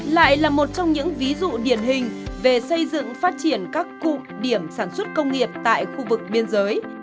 lại là một trong những ví dụ điển hình về xây dựng phát triển các cụm điểm sản xuất công nghiệp tại khu vực biên giới